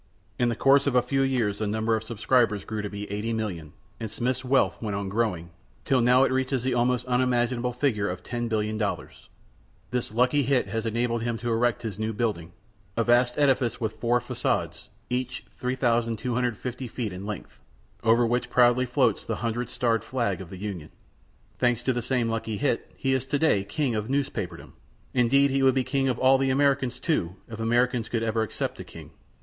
In the course of a few years the number of subscribers grew to be 85,000,000, and Smith's wealth went on growing, till now it reaches the almost unimaginable figure of $10,000,000,000. This lucky hit has enabled him to erect his new building, a vast edifice with four fa├¦ades, each 3,250 feet in length, over which proudly floats the hundred starred flag of the Union. Thanks to the same lucky hit, he is to day king of newspaperdom; indeed, he would be king of all the Americans, too, if Americans could ever accept a king.